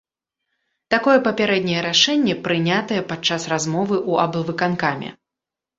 Такое папярэдняе рашэнне прынятае падчас размовы ў аблвыканкаме.